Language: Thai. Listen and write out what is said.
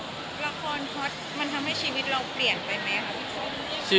ละครฮอตมันทำให้ชีวิตเราเปลี่ยนไปไหมคะ